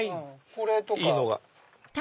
これとか。